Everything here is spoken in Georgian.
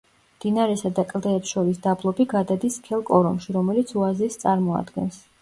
მდინარესა და კლდეებს შორის დაბლობი გადადის სქელ კორომში, რომელიც ოაზისს წარმოადგენს.